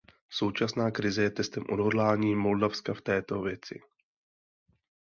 Současná krize je testem odhodlání Moldavska v této věci.